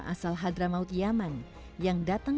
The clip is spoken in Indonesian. asal hadramaut yaman yang datang